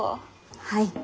はい。